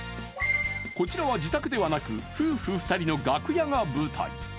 こちらは自宅ではなく夫婦２人の楽屋が舞台